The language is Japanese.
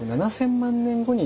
７，０００万年後に。